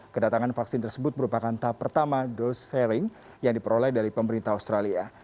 kedatangan vaksin tersebut merupakan tahap pertama dose sharing yang diperoleh dari pemerintah australia